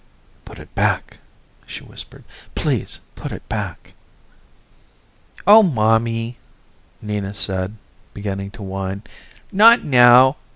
"Put it back," she whispered. "Please put it back." "Oh Mommy," Nina said, beginning to whine. "Not now.